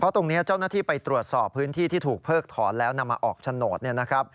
เพราะตรงนี้เจ้าหน้าที่ไปตรวจสอบพื้นที่ที่ถูกเพิกถอนแล้วนำมาออกโฉนด